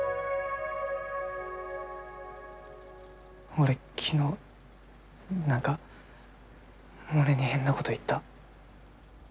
俺昨日何かモネに変なごど言った。